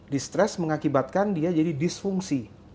distress mengakibatkan dia jadi disfungsi